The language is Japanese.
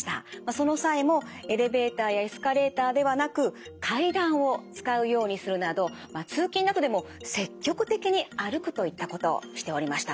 その際もエレベーターやエスカレーターではなく階段を使うようにするなど通勤などでも積極的に歩くといったことをしておりました。